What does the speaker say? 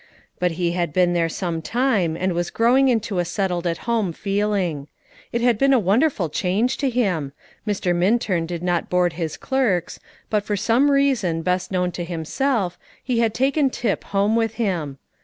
But he had been there some time, and was growing into a settled at home feeling. It had been a wonderful change to him. Mr. Minturn did not board his clerks; but for some reason, best known to himself, he had taken Tip home with him.